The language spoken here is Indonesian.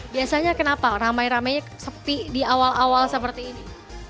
biasanya kenapa ramai ramainya sepi di awal awal seperti ini